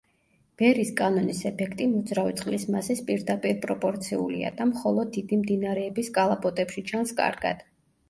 ბერის კანონის ეფექტი მოძრავი წყლის მასის პირდაპირპროპორციულია და მხოლოდ დიდი მდინარეების კალაპოტებში ჩანს კარგად.